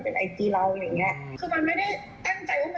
เผ็นก็เลยไม่รู้จะพูดอะไรจริงค่ะ